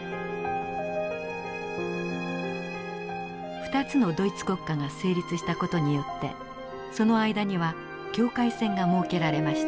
２つのドイツ国家が成立した事によってその間には境界線が設けられました。